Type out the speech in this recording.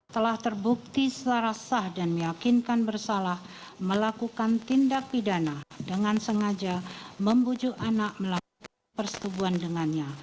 telah terbukti secara sah dan meyakinkan bersalah melakukan tindak pidana dengan sengaja membujuk anak melakukan persetubuhan dengannya